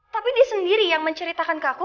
tapi dia sendiri yang menceritakan ke aku